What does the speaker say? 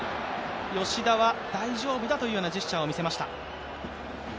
吉田は大丈夫だというジェスチャーを見せました。